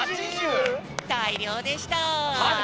たいりょうでした！